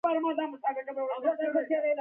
هغې په خوږې موسکا وپوښتل.